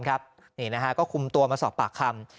ก็คุมตัวมาสอบปากคำ